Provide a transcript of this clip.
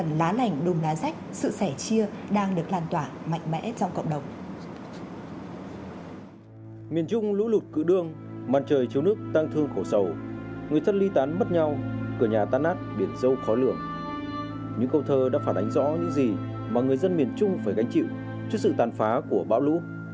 những câu thơ đã phản ánh rõ những gì mà người dân miền trung phải gánh chịu trước sự tàn phá của bão lũ